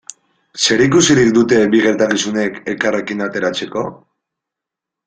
Zer ikusirik dute bi gertakizunek elkarrekin ateratzeko?